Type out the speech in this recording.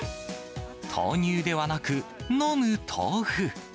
豆乳ではなく、飲む豆腐。